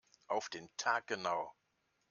Auf den Tag genau.